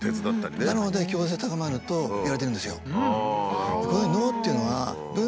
なので協調性が高まるといわれてるんですよ。